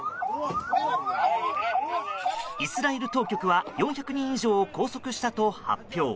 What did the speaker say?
イスラエル当局は４００人以上を拘束したと発表。